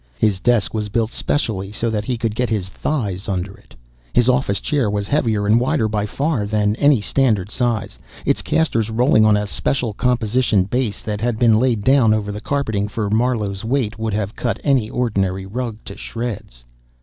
His desk was built specially, so that he could get his thighs under it. His office chair was heavier and wider by far than any standard size, its casters rolling on a special composition base that had been laid down over the carpeting, for Marlowe's weight would have cut any ordinary rug to shreds.